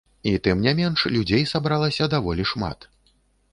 І тым не менш, людзей сабралася даволі шмат.